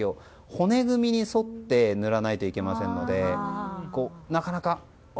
骨組みに沿って塗らないといけませんのでなかなか。